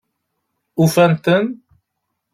Ufan-ten?